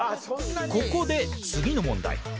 ここで次の問題。